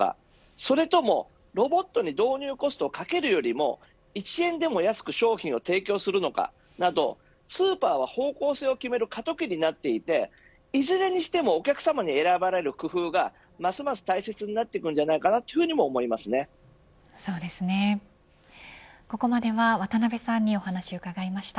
それともロボットに導入コストをかけるよりも１円でも安く商品を提供するのかなどスーパーは方向性を決める過渡期になっていていずれにしてもお客さまに選ばれる工夫がますます大切になってくるんじゃないかなというふうにもここまでは渡辺さんにお話を伺いました。